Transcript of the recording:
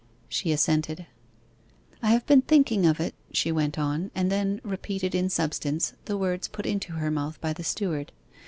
She assented. 'I have been thinking of it,' she went on, and then repeated in substance the words put into her mouth by the steward.